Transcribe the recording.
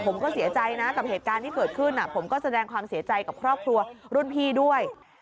ผมก็เสียใจนะกับเหตุการณ์ที่เกิดขึ้นผมก็แสดงความเสียใจกับครอบครัวรุ่นพี่ด้วย